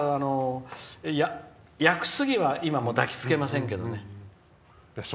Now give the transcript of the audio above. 屋久杉は今も抱きつけませんけどね。